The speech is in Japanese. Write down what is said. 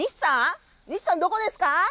西さん、どこですか？